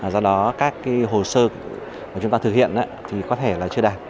do đó các hồ sơ mà chúng ta thực hiện thì có thể là chưa đạt